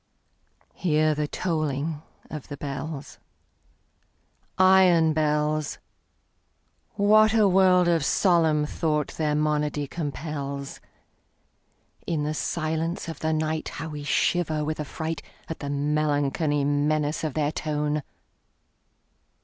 Hear the tolling of the bells, Iron bells! What a world of solemn thought their monody compels! In the silence of the nightHow we shiver with affrightAt the melancholy menace of their tone!